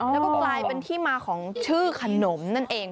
แล้วก็กลายเป็นที่มาของชื่อขนมนั่นเอง